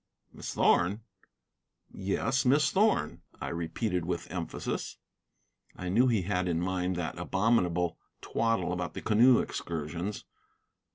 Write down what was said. "Miss Thorn?" "Yes, Miss Thorn," I repeated with emphasis. I knew he had in mind that abominable twaddle about the canoe excursions.